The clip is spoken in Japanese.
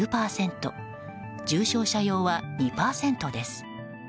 重症者用は２％です。